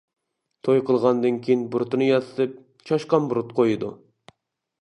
توي قىلغاندىن كېيىن بۇرۇتىنى ياسىتىپ «چاشقان بۇرۇت» قويىدۇ.